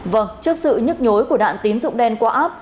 vâng trước sự nhức nhối của đạn tín dụng đen quá